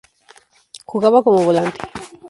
Jugaba como volante.